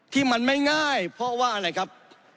ที่มันไม่ง่ายเพราะว่าอะไรครับ